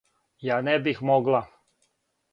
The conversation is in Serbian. Ја не бих могла.